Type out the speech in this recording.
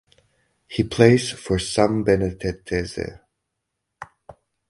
He plays for Sambenedettese.